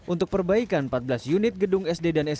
untuk perbaikan empat belas unit gedung sd dan sma